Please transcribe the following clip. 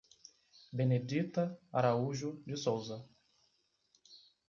Benedita Araújo de Sousa